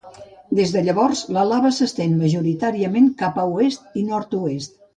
Des de llavors, la lava s'estén majoritàriament cap a l'oest i nord-oest.